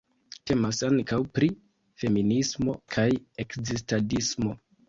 Temas ankaŭ pri feminismo kaj ekzistadismo.